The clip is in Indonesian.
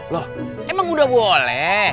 loh emang udah boleh